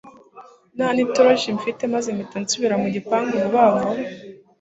ntanitoroshi mfite maze mpita nsubira mu gipangu vuba vuba